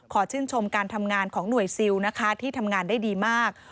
ชื่นชมการทำงานของหน่วยซิลนะคะที่ทำงานได้ดีมาก